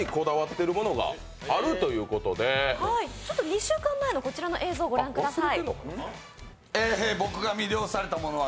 ２週間前のこちらの映像ご覧ください。